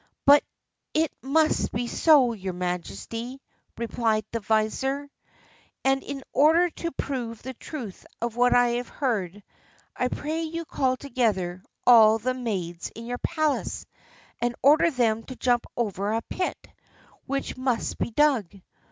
"But it must be so, your majesty," replied the vizier; "and in order to prove the truth of what I have heard, I pray you to call together all the maids in your palace and order them to jump over a pit, which must be dug.